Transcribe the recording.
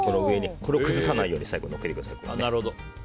これを崩さないように気を付けてください。